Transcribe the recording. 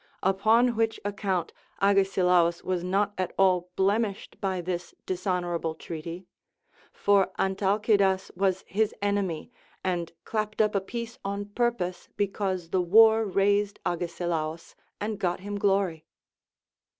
Upon which account Agesilaus Avas not at all blemished by this dishonorable treaty ; for Antalcidas was his enemy, and clapped up a peace on purpose because the war raised Agesilaus and got him glory.